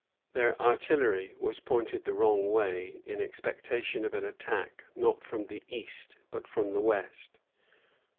Their artillery was pointed the wrong way, in expectation of an attack, not from the east, but from the west.